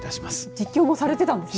実況もされてたんですね。